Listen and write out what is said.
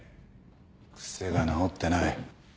癖が直ってない。